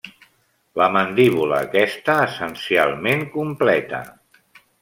La mandíbula aquesta essencialment completa.